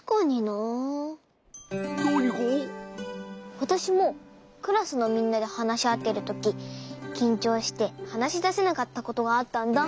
わたしもクラスのみんなではなしあってるとききんちょうしてはなしだせなかったことがあったんだ。